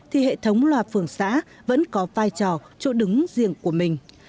thì hệ thống loa phường xã vẫn có vai trò chỗ đứng riêng của mình